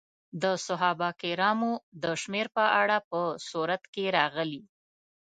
د صحابه کرامو د شمېر په اړه په سورت کې راغلي.